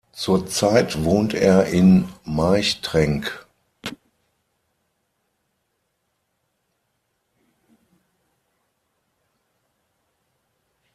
Zurzeit wohnt er in Marchtrenk.